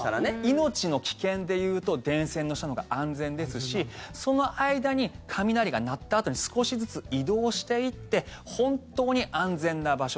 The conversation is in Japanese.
命の危険で言うと電線の下のほうが安全ですしその間に雷が鳴ったあとに少しずつ移動していって本当に安全な場所